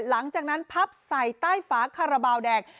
หลังจากนั้นพับใส่ใต้ฝาคาราบาลแดง